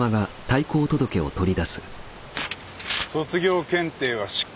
卒業検定は失格だ。